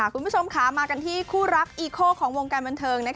คุณผู้ชมค่ะมากันที่คู่รักอีโคของวงการบันเทิง